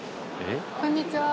こんにちは。